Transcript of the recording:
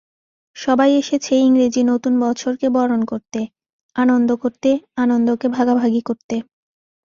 সবাই এসেছে ইংরেজি নতুন বছরকে বরণ করতে, আনন্দ করতে, আনন্দকে ভাগাভাগি করতে।